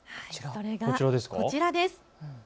それがこちらです。